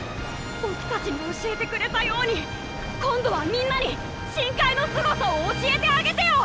僕たちに教えてくれたように今度はみんなに深海のすごさを教えてあげてよ！